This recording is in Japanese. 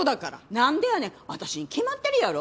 なんでやねんあたしに決まってるやろ？